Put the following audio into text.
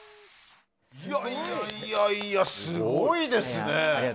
いやいや、すごいですね。